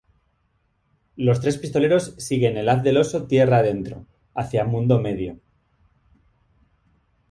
Los tres pistoleros siguen el Haz del Oso tierra adentro, hacia Mundo-Medio.